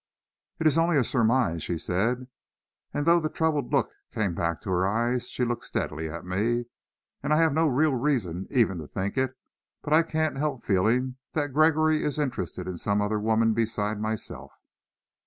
"It is only a surmise," she said, and though the troubled look came back to her eyes, she looked steadily at me. "And I have no real reason even to think it, but I can't help feeling that Gregory is interested in some other woman beside myself."